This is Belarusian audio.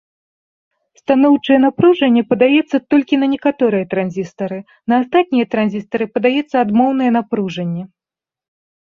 Станоўчае напружанне падаецца толькі на некаторыя транзістары, на астатнія транзістары падаецца адмоўнае напружанне.